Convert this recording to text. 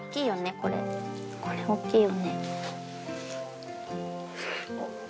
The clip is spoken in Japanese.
これおっきいよね。